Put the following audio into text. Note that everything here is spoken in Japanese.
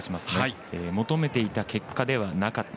求めていた結果ではなかった。